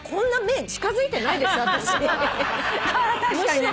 確かにね。